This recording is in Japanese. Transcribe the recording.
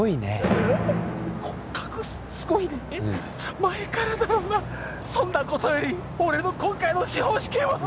うん前からだろうなそんなことより俺の今回の司法試験は？